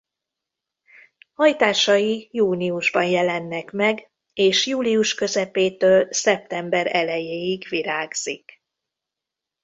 Hajtásai júniusban jelennek meg és július közepétől szeptember elejéig virágzik.